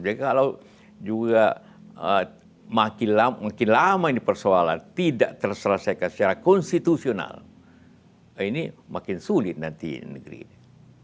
jadi kalau juga makin lama ini persoalan tidak terselesaikan secara konstitusional ini makin sulit nanti negeri ini